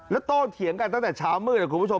แล้วโตเถียงกันตั้งแต่เช้ามืดนะคุณผู้ชม